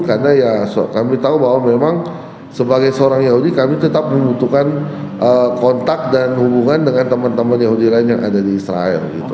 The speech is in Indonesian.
karena ya kami tahu bahwa memang sebagai seorang yahudi kami tetap membutuhkan kontak dan hubungan dengan teman teman yahudi lain yang ada di israel gitu